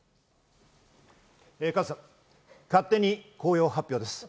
加藤さん、勝手に紅葉発表です。